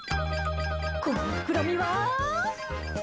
この膨らみは？